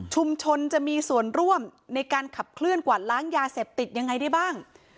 จะมีส่วนร่วมในการขับเคลื่อนกวาดล้างยาเสพติดยังไงได้บ้าง